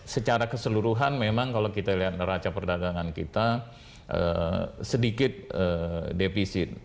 secara keseluruhan memang kalau kita lihat neraca perdagangan kita sedikit defisit